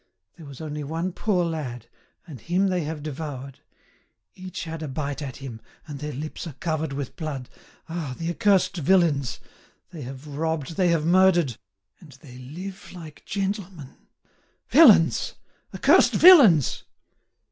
... There was only one poor lad, and him they have devoured; each had a bite at him, and their lips are covered with blood. ... Ah! the accursed villains! They have robbed, they have murdered. ... And they live like gentlemen. Villains! Accursed villains!"